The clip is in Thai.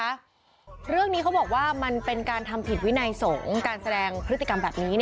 เรื่องนี้เขาบอกว่ามันเป็นการทำผิดวินัยสงฆ์การแสดงพฤติกรรมแบบนี้